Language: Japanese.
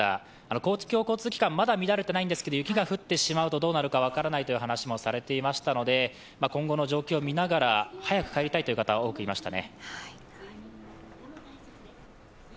公共交通機関、まだ乱れていないんですが雪が降ってしまうとどうなるか分からないという声がありましたので今後の状況を見ながら、早く帰りたいという方、多くいましたね。